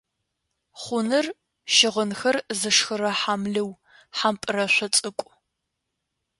Хъуныр - щыгъынхэр зышхырэ хьамлыу, хьампӏырэшъо цӏыкӏу.